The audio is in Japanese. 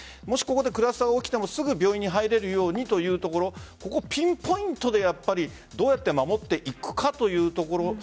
もしここでクラスターが起きてもすぐ病院に入れるようにというところここをピンポイントでどうやって守っていくかというところ。